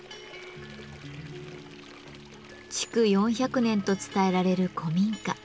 築４００年と伝えられる古民家。